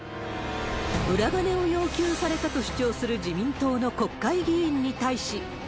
裏金を要求されたと主張する自民党の国会議員に対し。